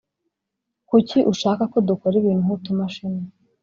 Kuki ushaka ko dukora ibintu nkutumashini